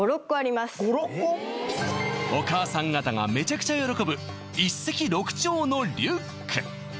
お母さん方がめちゃくちゃ喜ぶ一石六鳥のリュック！